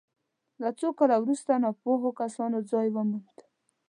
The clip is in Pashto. له څو کالو وروسته ناپوهو کسانو ځای وموند.